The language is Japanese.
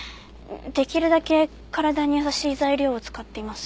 できるだけ体に優しい材料を使っています。